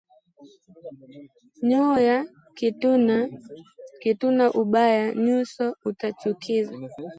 Nyoyo kituna ubaya, nyusoni utachukiza